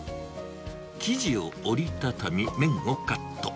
生地を折り畳み、麺をカット。